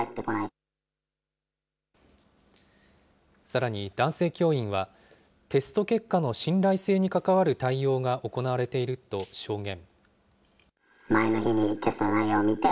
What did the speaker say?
さらに、男性教員は、テスト結果の信頼性に関わる対応が行われていると証言。